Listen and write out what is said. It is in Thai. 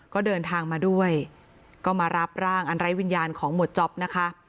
ก็เดินทางมาด้วยก็มารับร่างอันไร้วิญญาณของหมวดจ๊อปนะคะ